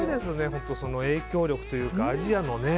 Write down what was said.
本当に影響力というかアジアの